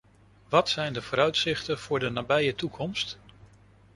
Wat zijn de vooruitzichten voor de nabije toekomst?